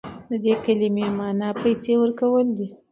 د دې کلمې معنی پیسې ورکول دي.